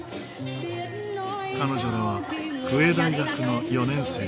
彼女らはフエ大学の４年生。